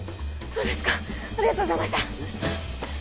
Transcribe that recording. そうですかありがとうございました。